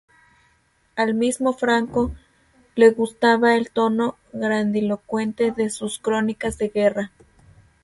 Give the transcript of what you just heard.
Al mismo Franco le gustaba el tono grandilocuente de sus crónicas de guerra.